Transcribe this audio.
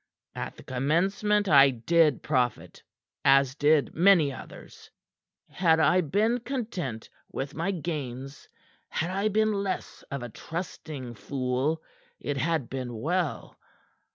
"At the commencement I did profit, as did many others. Had I been content with my gains, had I been less of a trusting fool, it had been well.